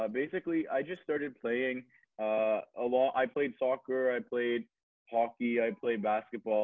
jadi pada dasarnya saya baru mulai main saya main soccer saya main hockey saya main basketball